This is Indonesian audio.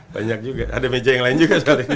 banyak juga ada meja yang lain juga